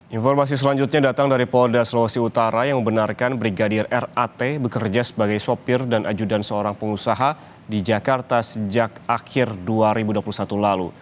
informasi selanjutnya datang dari polda sulawesi utara yang membenarkan brigadir rat bekerja sebagai sopir dan ajudan seorang pengusaha di jakarta sejak akhir dua ribu dua puluh satu lalu